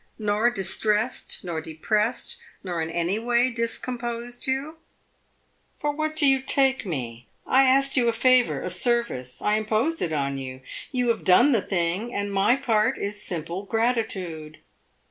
"Nor distressed, nor depressed, nor in any way discomposed you?" "For what do you take me? I asked you a favor a service; I imposed it on you. You have done the thing, and my part is simple gratitude."